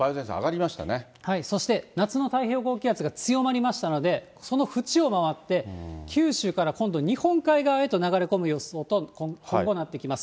そして、夏の太平洋高気圧が強まりましたので、そのふちを回って九州から今度、日本海側へと流れ込む予想と、今後なってきます。